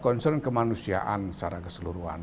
concern kemanusiaan secara keseluruhan